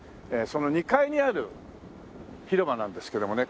その２階にある広場なんですけれどもね。